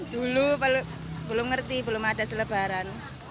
dulu belum ngerti belum ada selebaran